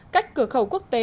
cách cửa khẩu quốc tế